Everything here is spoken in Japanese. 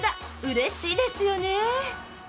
嬉しいですよね。